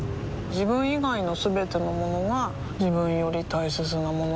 自分以外のすべてのものが自分より大切なものだと思いたい